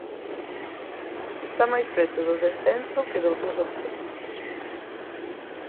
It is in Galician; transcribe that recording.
Está máis preto do descenso que doutros obxectivos.